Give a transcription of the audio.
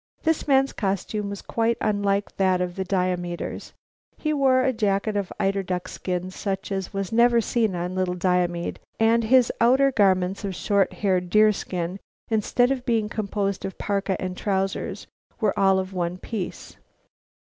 This man's costume was quite unlike that of the Diomeders. He wore a shirt of eiderduck skins such as was never seen on the Little Diomede, and his outer garments of short haired deerskin, instead of being composed of parka and trousers were all of one piece.